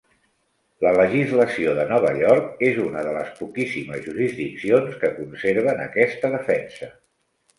La legislació de Nova York és una de les poquíssimes jurisdiccions que conserven aquesta defensa.